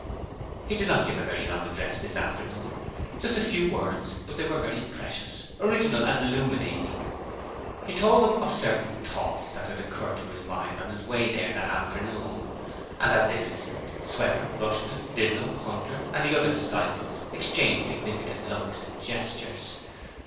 He did not give a very long address this afternoon only just a Few Words; but they were very precious, original and illuminating. He told them of certain Thoughts that had occurred to his mind on his way there that afternoon; and as they listened, Sweater, Rushton, Didlum, Hunter, and the other disciples exchanged significant looks and gestures.